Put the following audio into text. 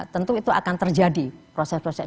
tentu itu akan terjadi proses proses